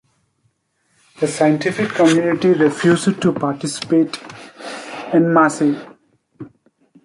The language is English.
The scientific community refused to participate "en masse".